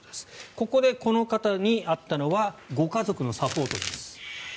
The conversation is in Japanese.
ここでこの方にあったのはご家族のサポートです。